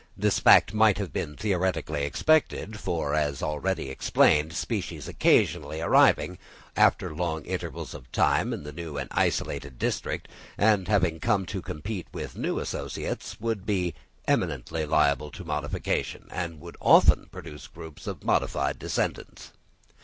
This fact might have been theoretically expected, for, as already explained, species occasionally arriving, after long intervals of time in the new and isolated district, and having to compete with new associates, would be eminently liable to modification, and would often produce groups of modified descendants.